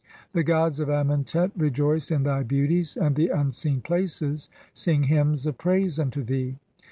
The gods of Amentet rejoice in thy beauties and "the unseen places sing hymns of praise unto thee.